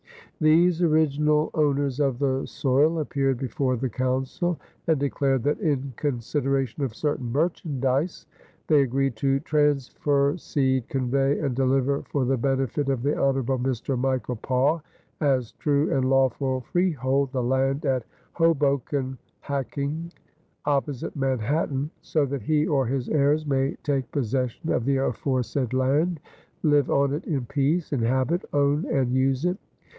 These original owners of the soil appeared before the Council and declared that in consideration of certain merchandise, they agreed to "transfer, cede, convey and deliver for the benefit of the Honorable Mr. Michiel Paauw" as true and lawful freehold, the land at Hobocan Hackingh, opposite Manhattan, so that "he or his heirs may take possession of the aforesaid land, live on it in peace, inhabit, own and use it